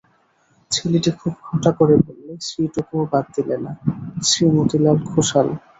ছেলেটি খুব ঘটা করে বললে, শ্রীটুকুও বাদ দিলে না, শ্রীমোতিলাল ঘোষাল।